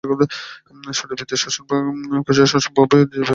শারীরবৃত্তীয় শ্বসন এবং কোষীয় শ্বসন উভয়েই জীবের জীবন ধারণের জন্য অপরিহার্য।